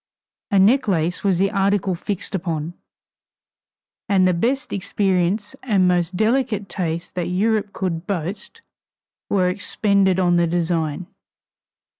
A necklace was the article fixed upon, and the best experience and most delicate taste that Europe could boast were expended on the design.